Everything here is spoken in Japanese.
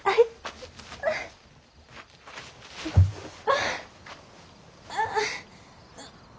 あっああっ。